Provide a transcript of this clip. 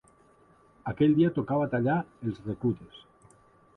Aquell dia tocava tallar els reclutes.